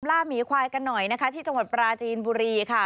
ล่าหมีควายกันหน่อยนะคะที่จังหวัดปราจีนบุรีค่ะ